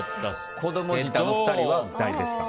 子供舌の２人には大絶賛。